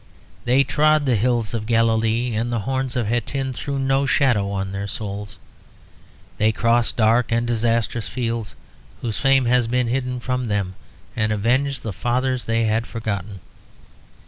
They trod the hills of Galilee and the Horns of Hattin threw no shadow on their souls; they crossed dark and disastrous fields whose fame had been hidden from them, and avenged the fathers they had forgotten.